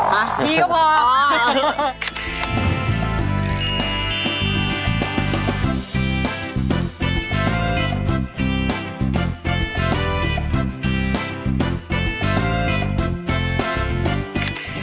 พี่ก็พอ